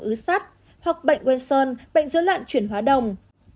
ứ sắt hoặc bệnh wilson bệnh dưới lạn chuyển hóa đồng